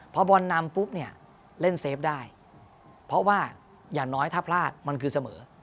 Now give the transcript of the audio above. พอบอลนำปุ๊บเนี่ยเล่นเซฟได้เพราะว่าอย่างน้อยถ้าพลาดมันคือเสมอ